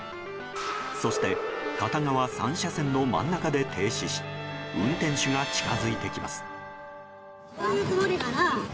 そして片側３車線の真ん中で停止し運転手が近づいてきます。